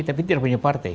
tapi tidak punya partai